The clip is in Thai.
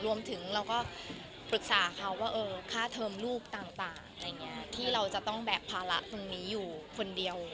รวมถึงเราก็ปรึกษาเขาว่าค่าเทอมลูกต่างอะไรอย่างนี้ที่เราจะต้องแบกภาระตรงนี้อยู่คนเดียว